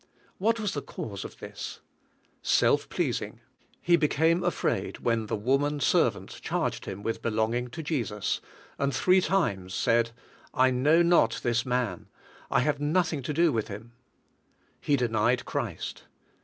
What was the cause of this? Self pleasing. He became afraid when the woman servant charged him with belonging to Jesus, and three times said, "I know not this man, I have nothing to do with Him." He denied Christ.